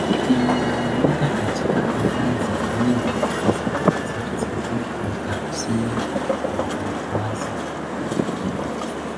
Imegawanyika katika lahaja nyingi, hasa za Kaskazini na za Kusini mwa rasi hiyo.